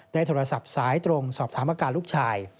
โทรศัพท์สายตรงสอบถามอาการลูกชาย